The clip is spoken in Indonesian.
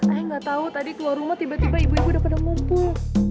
ayah gatau tadi keluar rumah tiba tiba ibu ibu udah pada mumpul